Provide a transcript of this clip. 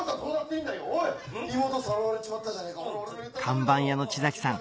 看板屋の地さん